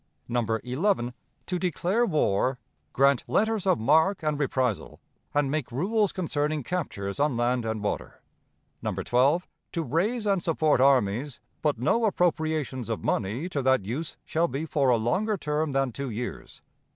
No. 11, 'To declare war, grant letters of marque and reprisal, and make rules concerning captures on land and water.' No. 12, 'To raise and support armies, but no appropriations of money to that use shall be for a longer term than two years.'